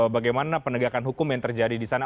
bagaimana penegakan hukum yang terjadi di sana